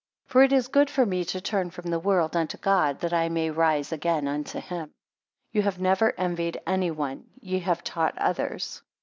8 For it is good for me to turn from the world, unto God; that I may rise again unto him. 9 Ye have never envied any one; ye have taught others.